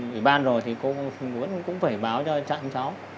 ủy ban rồi thì cô vẫn cũng phải báo cho chúng cháu